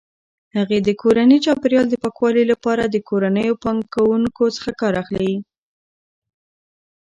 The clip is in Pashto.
هغې د کورني چاپیریال د پاکوالي لپاره د کورنیو پاکونکو څخه کار اخلي.